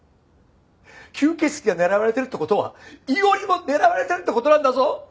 吸血鬼が狙われてるって事は伊織も狙われてるって事なんだぞ！